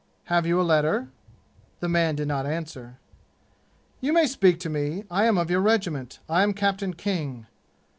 "Have you a letter?" The man did not answer. "You may speak to me. I am of your regiment. I am Captain King."